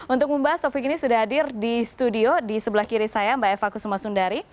untuk membahas topik ini sudah hadir di studio di sebelah kiri saya mbak eva kusuma sundari